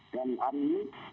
dan hari ini